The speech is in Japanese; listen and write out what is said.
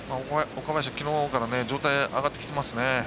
岡林、きのうから状態が上がってきてますね。